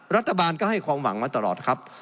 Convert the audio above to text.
รัฐบาลก็ให้ความหวังมาตลอดครับ